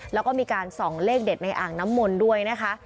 แล้วก็มีการส่องเลขเด็ดในอ่างน้ำมนต์ด้วยนะคะ